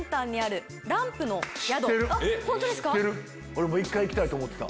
俺も１回行きたいと思ってた。